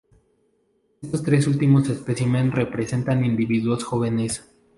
Estos tres últimos especímenes representan individuos jóvenes.